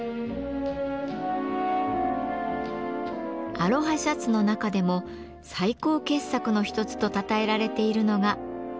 アロハシャツの中でも最高傑作の一つとたたえられているのがこちら。